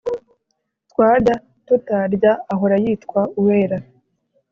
Twarya tutarya ahora yitwa Uwera